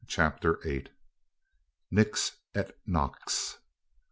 CHAPTER VIII. NIX ET NOX.